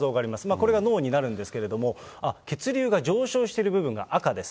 これが脳になるんですけれども、血流が上昇している部分が赤です。